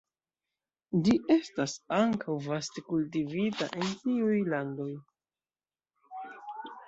Ĝi estas ankaŭ vaste kultivita en tiuj landoj.